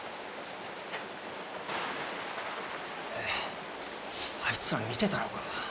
えあいつら見てたのか。